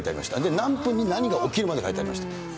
何分に何が起きるまで書いてありました。